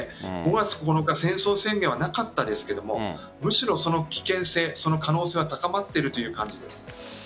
５月９日戦争宣言はなかったんですがむしろ危険性、可能性は高まっているという感じです。